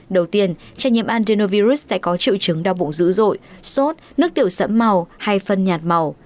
đầu tiên trẻ nhiễm andernovirus sẽ có triệu chứng đau bụng dữ dội sốt nước tiểu sẫm màu hay phân nhạt màu